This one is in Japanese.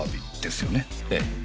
ええ。